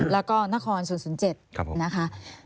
แล้วก็นคร๐๐๗นะคะ